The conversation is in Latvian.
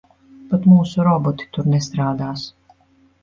Pat mūsu roboti tur nestrādās.